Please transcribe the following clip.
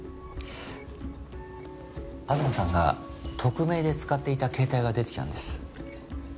東さんが匿名で使っていた携帯が出てきたんです。